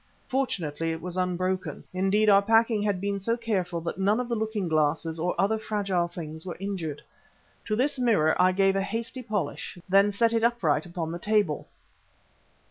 Fortunately it was unbroken; indeed, our packing had been so careful that none of the looking glasses or other fragile things were injured. To this mirror I gave a hasty polish, then set it upright upon the table.